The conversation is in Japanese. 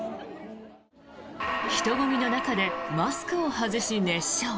人混みの中でマスクを外し熱唱。